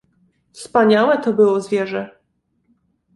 "Wspaniałe to było zwierzę!"